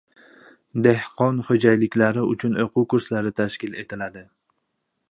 Dehqon xo‘jaliklari uchun o‘quv kurslari tashkil etiladi